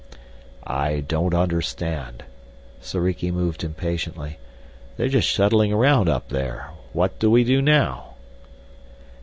"I don't understand," Soriki moved impatiently. "They're just shuttling around up there. What do we do now?"